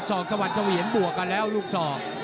ส่องสวรรค์ชาวเวียนบวกกันแล้วลูกส่อง